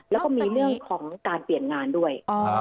แล้วก็มีเรื่องของการเปลี่ยนงานด้วย